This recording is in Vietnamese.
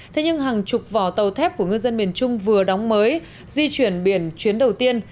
thế nhưng hàng chục vỏ tàu thép của ngư dân miền trung vừa đóng mới di chuyển biển chuyến đầu tiên